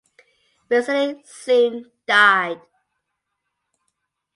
Vasili soon died.